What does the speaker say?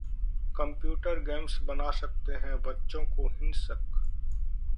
computer games बना सकते हैं बच्चों को हिंसक